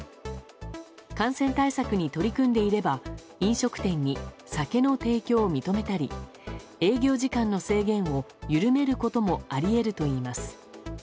感染対策に取り組んでいれば飲食店に酒の提供を認めたり営業時間の制限を緩めることもあり得るといいます。